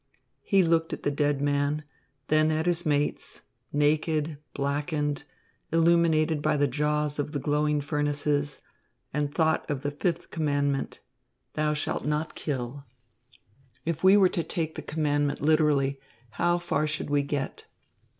He looked at the dead man, then at his mates, naked, blackened, illuminated by the jaws of the glowing furnaces, and thought of the fifth commandment, "Thou shalt not kill." If we were to take the commandment literally, how far should we get?